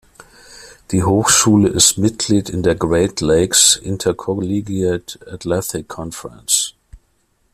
Die Hochschule ist Mitglied in der Great Lakes Intercollegiate Athletic Conference.